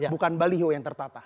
bukan baliho yang tertata